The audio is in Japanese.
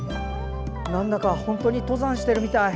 なんだか本当に登山してるみたい。